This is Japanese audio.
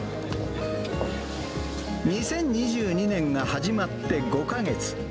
２０２２年が始まって５か月。